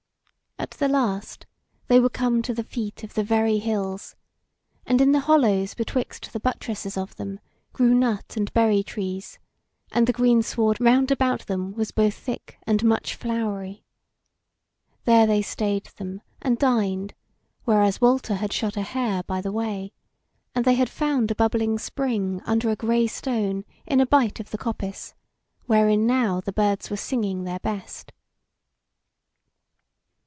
At the last they were come to the feet of the very hills, and in the hollows betwixt the buttresses of them grew nut and berry trees, and the greensward round about them was both thick and much flowery. There they stayed them and dined, whereas Walter had shot a hare by the way, and they had found a bubbling spring under a grey stone in a bight of the coppice, wherein now the birds were singing their best.